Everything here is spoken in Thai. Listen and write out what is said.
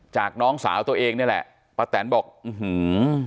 น้องสาวตัวเองนี่แหละป้าแตนบอกอื้อหือ